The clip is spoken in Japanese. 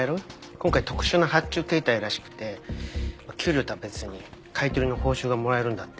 今回特殊な発注形態らしくて給料とは別に買い取りの報酬がもらえるんだって。